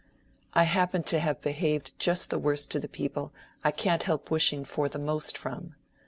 "I happen to have behaved just the worst to the people I can't help wishing for the most from.